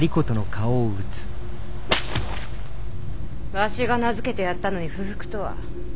わしが名付けてやったのに不服とは。